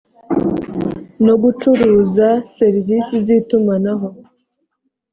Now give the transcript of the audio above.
no gucuruza serivisi z itumanaho